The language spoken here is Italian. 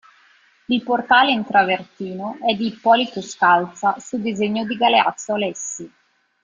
Il portale in travertino è di Ippolito Scalza su disegno di Galeazzo Alessi.